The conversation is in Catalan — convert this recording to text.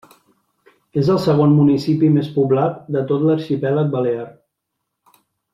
És el segon municipi més poblat de tot l'arxipèlag balear.